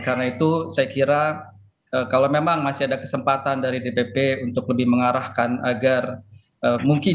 karena itu saya kira kalau memang masih ada kesempatan dari dpp untuk lebih mengarahkan agar mungkin